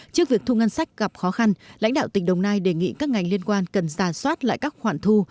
trước việc thu ngân sách gặp khó khăn lãnh đạo tỉnh đồng nai đề nghị các ngành liên quan cần giả soát lại các khoản thu